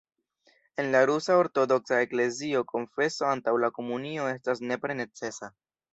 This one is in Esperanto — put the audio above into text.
En la Rusa Ortodoksa Eklezio konfeso antaŭ la komunio estas nepre necesa.